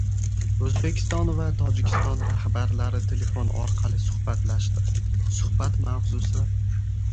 O‘zbekiston va Tojikiston rahbarlari telefon orqali suhbatlashdi. Suhbat mavzusi...